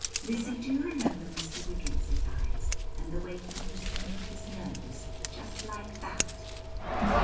Lizzie, do you remember Mr. Wiggins's eyes? and the way he used to move his nose, just like that?"